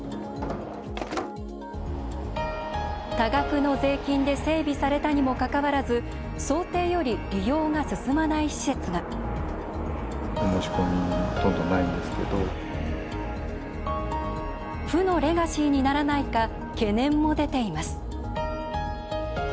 多額の税金で整備されたにもかかわらず想定より利用が進まない施設が「負のレガシー」にならないか、懸念も出ています。